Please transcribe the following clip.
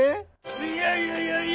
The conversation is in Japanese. いやいやいやいや。